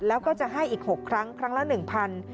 แล้วก็จะให้อีก๖ครั้งครั้งละ๑๐๐บาท